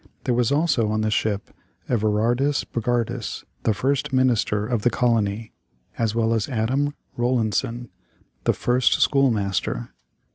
There was also on the ship Everardus Bogardus, the first minister of the colony, as well as Adam Rolandsen, the first school master.